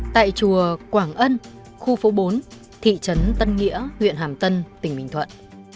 tại chùa quảng ân khu phố bốn thị trấn tân nghĩa huyện hàm tân tỉnh bình thuận